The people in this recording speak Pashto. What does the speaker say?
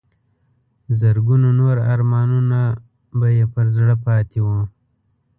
زرګونو نور ارمانونه به یې پر زړه پاتې وو.